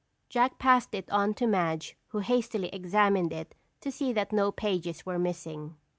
Jack passed it on to Madge who hastily examined it to see that no pages were missing.